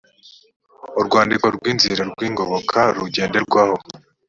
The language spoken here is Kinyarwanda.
urwandiko rw inzira rw ingoboka rugenderwaho